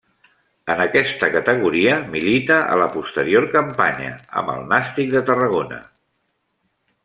En aquesta categoria milita a la posterior campanya, amb el Nàstic de Tarragona.